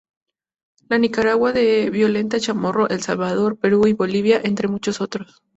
La Nicaragua de Violeta Chamorro; El Salvador, Perú y Bolivia, entre muchos otros.